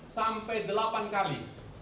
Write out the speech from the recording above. sampai delapan kali